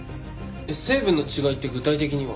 成分の違いって具体的には？